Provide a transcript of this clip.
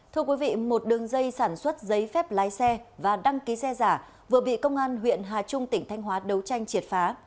thưa quý vị một đường dây sản xuất giấy phép lái xe và đăng ký xe giả vừa bị công an huyện hà trung tỉnh thanh hóa đấu tranh triệt phá